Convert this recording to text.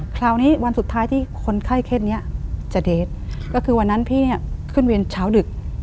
คราวนี้วันสุดท้ายที่คนไข้เคสนี้จะเดทก็คือวันนั้นพี่เนี่ยขึ้นเวรเช้าดึก